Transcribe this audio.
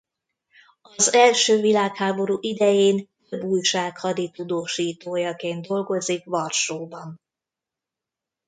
Az első világháború idején több újság haditudósítójaként dolgozik Varsóban.